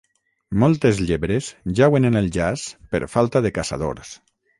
Moltes llebres jauen en el jaç per falta de caçadors.